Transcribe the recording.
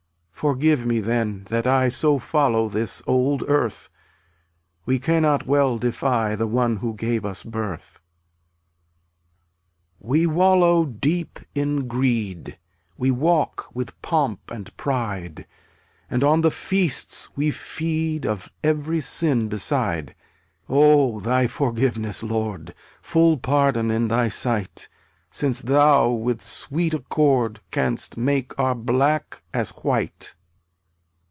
Forgive me, then, that I So follow this old earth; We cannot well defy The one who gave us birth. 273 We wallow deep in greed, fam/ir We walk with Pomp and Pride v^ m «* And on the feasts we feed Q>C/ Of every sin beside. ttu%%/r Oh, Thy forgiveness, Lord, eWI *3 Full pardon in Thy sight, Since Thou with sweet accord Canst make our black as white.